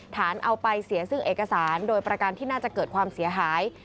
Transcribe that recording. ฐานเอาไปเสียซึ่งเอกสารโดยประกันที่น่าจะเกิดความเสียหาย